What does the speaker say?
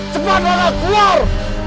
cepat rana keluar